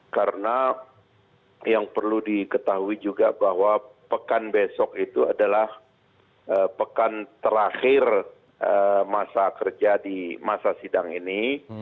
karena yang perlu diketahui juga bahwa pekan besok itu adalah pekan terakhir masa kerja di masa sidang ini